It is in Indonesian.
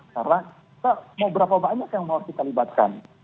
karena mau berapa banyak yang harus kita libatkan